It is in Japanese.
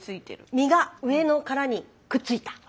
身が上の殻にくっついた。